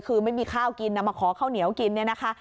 คือไม่มีข้าวกินนะมาขอข้าวเหนียวกินเนี่ยนะคะ